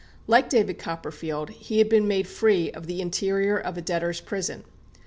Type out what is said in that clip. Like David Copperfield, he had been made free of the interior of a debtor's prison.